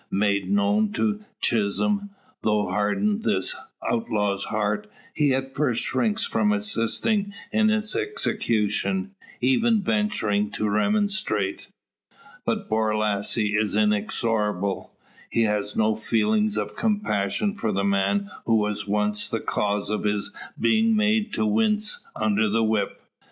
Made known to Chisholm, though hardened this outlaw's heart, he at first shrinks from assisting in its execution even venturing to remonstrate. But Borlasse is inexorable. He has no feelings of compassion for the man who was once the cause of his being made to wince under the whip.